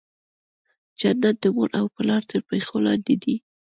جنت د مور او پلار تر پښو لاندي دی.